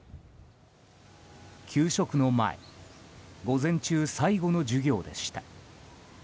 給食の前午前中最後の授業でした。